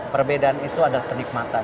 perbedaan itu adalah kenikmatan